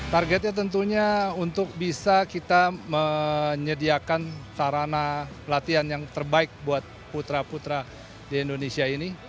targetnya tentunya untuk bisa kita menyediakan sarana pelatihan yang terbaik buat putra putra di indonesia ini